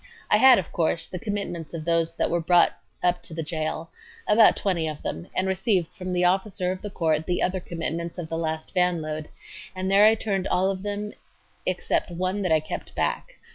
I had of course the commitments of those that were brought up to the jail—about 20 of them—and received from the officer of the court the other commitments of the last van load, and there I turned all of them except one that I kept back